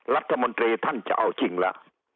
รัฐมนตรีท่านจะเอาจริงแล้ว